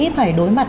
phải đối mặt